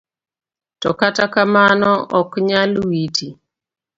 To kata kamano okanyal witi.